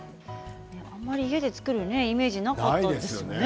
あまり家で作るというイメージがないですよね。